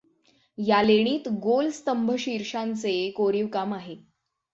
या लेणीत गोल स्तंभशीर्षांचे कोरीवकाम आहे.